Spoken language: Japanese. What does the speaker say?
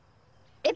えっ？